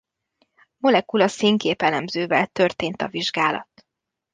Molekula-színképelemzővel történt a vizsgálat.